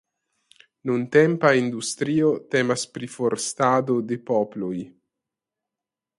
Nuntempa industrio temas pri forstado de poploj.